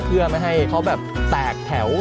เพื่อไม่ให้เขาแบบแตกแถว